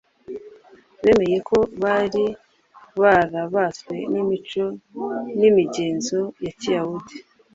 Bemeye ko bari barabaswe n’imico n’imigenzo ya Kiyahudi